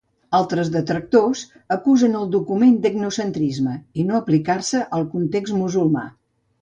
Altres detractors acusen el document d'etnocentrisme i no aplicar-se al context musulmà.